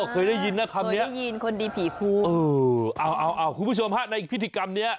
อ๋อเคยได้ยินนะคำนี้เออคุณผู้ชมฮะในพิธีกรรมนี้